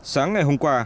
sáng ngày hôm qua